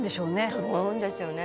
「と思うんですよね」